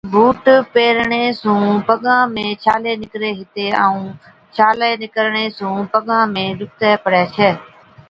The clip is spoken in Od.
بُوٽ پيهرڻي سُون پگان ۾ ڇالي نِڪري هِتي، ائُون ڇالي نِڪرڻي سُون پگان ۾ ڏُکتَي پڙَي ڇَي۔